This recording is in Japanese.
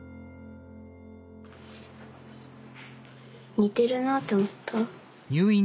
似てるなあと思った。